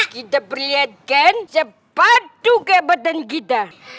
kita perlihatkan sepatu keabatan kita